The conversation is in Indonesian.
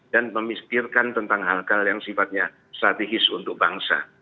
dan memistirkan tentang hal hal yang sifatnya strategis untuk bangsa